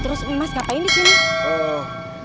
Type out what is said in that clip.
terus emas ngapain disini